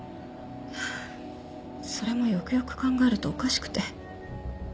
それもよくよく考えるとおかしくて。